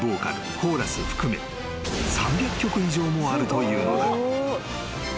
コーラス含め３００曲以上もあるというのだ］